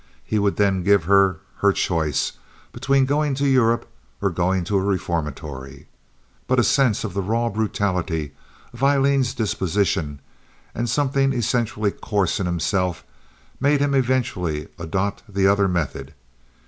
He would then give her her choice between going to Europe or going to a reformatory. But a sense of the raw brutality of Aileen's disposition, and something essentially coarse in himself, made him eventually adopt the other method.